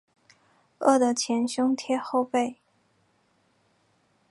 饿得前胸贴后背